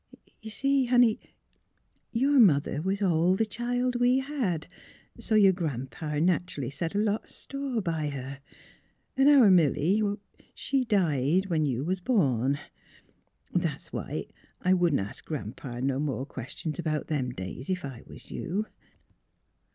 Y'u see, honey, your mother was all the child we had; so your gran 'pa nach'ally set a lot o' store by her. An' our Milly — she — died when you was born. That's why I wouldn't ask Gran 'pa no more questions about them days, if I was you."